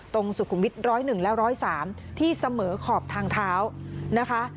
สุขุมวิท๑๐๑และ๑๐๓ที่เสมอขอบทางเท้านะคะ